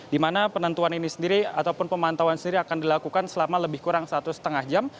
di mana penentuan ini sendiri ataupun pemantauan sendiri akan dilakukan selama lebih kurang satu lima jam